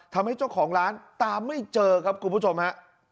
ทำให้เจ้าของร้านตามไม่เจอครับคุณผู้ชมฮะ